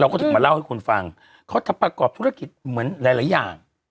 ก็ถึงมาเล่าให้คุณฟังเขาทำประกอบธุรกิจเหมือนหลายหลายอย่าง